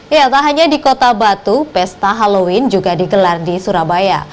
ya tak hanya di kota batu pesta halloween juga digelar di surabaya